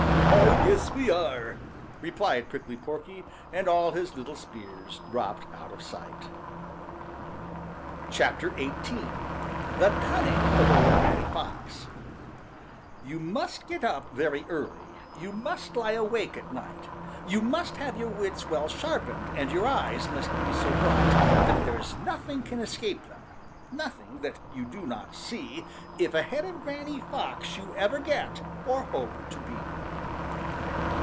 "I guess we are," replied Prickly Porky, and all his little spears dropped out of sight. XVIII. THE CUNNING OF OLD GRANNY FOX You must get up very early, You must lie awake at night, You must have your wits well sharpened And your eyes must be so bright That there's nothing can escape them, Nothing that you do not see, If ahead of Granny Fox you Ever get, or hope to be.